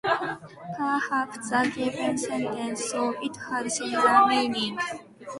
Paraphrase the given sentences so it has similar meaning.